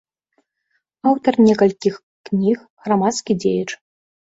Аўтар некалькіх кніг, грамадскі дзеяч.